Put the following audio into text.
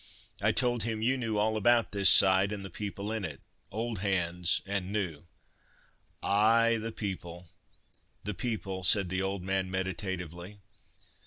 I told him you knew all about this side, and the people in it—old hands, and new." "Ay! the people—the people!" said the old man meditatively.